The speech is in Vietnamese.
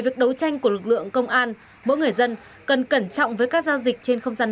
việc đấu tranh của lực lượng công an mỗi người dân cần cẩn trọng với các giao dịch trên không gian